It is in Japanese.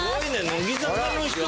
乃木坂の人が。